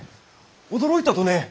驚いたとね！